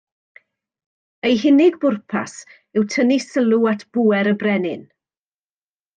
Eu hunig bwrpas yw tynnu sylw at bŵer y brenin